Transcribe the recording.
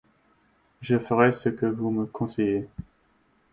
Je ferai ce que vous me conseillez.